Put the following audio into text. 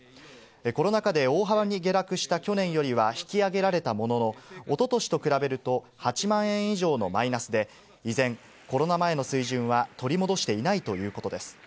コロナ禍で大幅に下落した去年よりは引き上げられたものの、おととしと比べると８万円以上のマイナスで、依然、コロナ前の水準は取り戻していないということです。